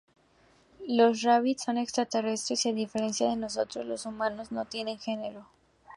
Los Rabbids son extraterrestres y, a diferencia de nosotros, los Humanos, no tienen genero.